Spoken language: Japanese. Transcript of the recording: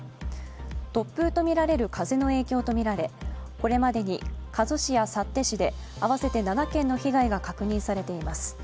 突風とみられる風の影響とみられこれまでに加須市や幸手市で合わせて７件の被害が確認されています。